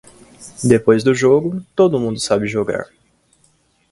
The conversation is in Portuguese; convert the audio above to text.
Depois do jogo, todo mundo sabe jogar.